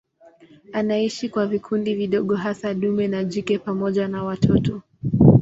Anaishi kwa vikundi vidogo hasa dume na jike pamoja na watoto.